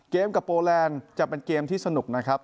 เกมกับโปแลนด์จะเป็นเกมที่สนุกนะครับ